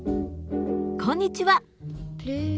こんにちは！